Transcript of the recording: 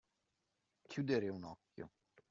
Chiudere un occhio.